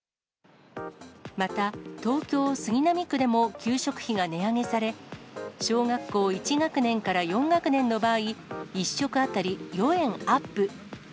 また東京・杉並区でも給食費が値上げされ、小学校１学年から４学年の場合、１食当たり４円アップ。